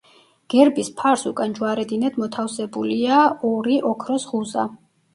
გერბის ფარს უკან ჯვარედინად მოთავსებულია ორი ოქროს ღუზა.